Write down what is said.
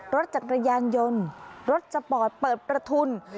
รถจักรยานยนต์รถสปอร์ตเปิดประทุน